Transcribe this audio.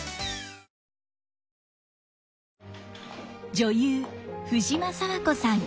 女優藤間爽子さん。